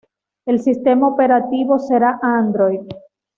El sistema operativo será Android.